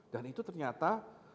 dan itu ternyata